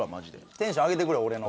テンション上げてくれ俺の。